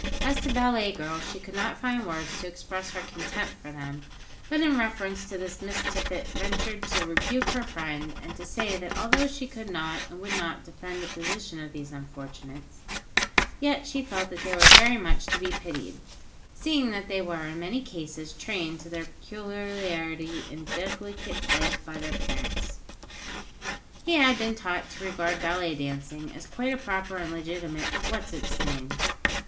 As to ballet girls, she could not find words to express her contempt for them; but in reference to this Miss Tippet ventured to rebuke her friend, and to say that although she could not and would not defend the position of these unfortunates, yet she felt that they were very much to be pitied, seeing that they were in many cases trained to their peculiarly indelicate life by their parents, and had been taught to regard ballet dancing as quite a proper and legitimate what's its name.